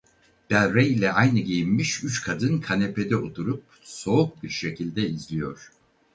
Del Rey ile aynı giyinmiş üç kadın kanepede oturup soğuk bir şekilde izliyor.